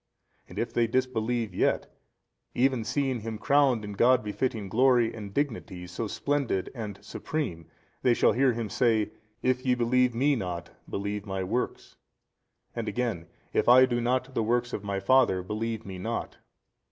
And if they disbelieve yet, even seeing Him crowned in God befitting glory and dignities so splendid and supreme, they shall hear Him say, If ye believe Me not believe My works, and again, If I do not the works of My Father, believe Me not 39.